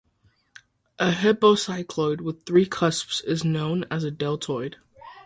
A hypocycloid with three cusps is known as a deltoid.